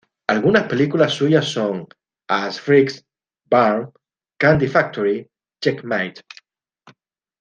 Algunas películas suyas son "Ass Freaks", "Burn", "Candy Factory", "Checkmate!